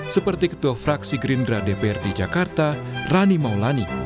seperti ketua fraksi gerindra dprd jakarta rani maulani